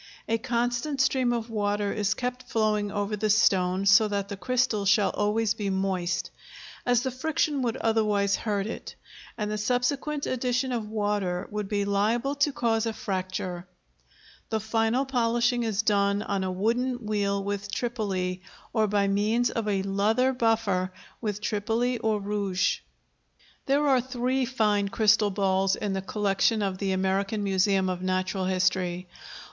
A constant stream of water is kept flowing over the stone so that the crystal shall always be moist, as the friction would otherwise hurt it, and the subsequent addition of water would be liable to cause a fracture. The final polishing is done on a wooden wheel with tripoli, or by means of a leather buffer with tripoli or rouge. There are three fine crystal balls in the collection of the American Museum of Natural History.